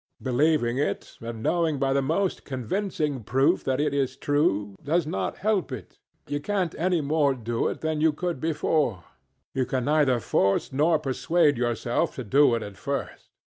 Believing it, and knowing by the most convincing proof that it is true, does not help it: you canŌĆÖt any more DO it than you could before; you can neither force nor persuade yourself to do it at first.